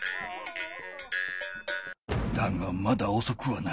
だがまだおそくはない。